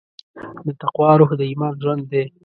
د تقوی روح د ایمان ژوند دی.